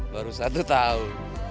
baru satu tahun